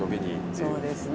そうですね。